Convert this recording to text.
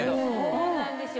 そうなんですよ。